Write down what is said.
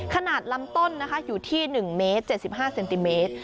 ขนาดลำต้นนะคะอยู่ที่๑เมตร๗๕เซนติเมตร